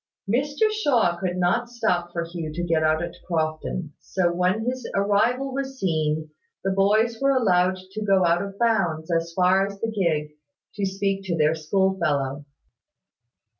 Mr Shaw could not stop for Hugh to get out at Crofton; so, when his arrival was seen, the boys were allowed to go out of bounds, as far as the gig, to speak to their school fellow.